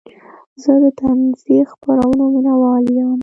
زه د طنزي خپرونو مینهوال یم.